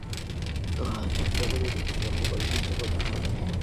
নিজেদের ভবিষ্যতের কথা চিন্তা করেই ইনিংস লম্বা করার চেষ্টা করছে সবাই।